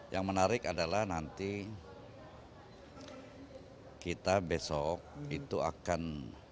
yang menarik adalah nanti kita besok itu akan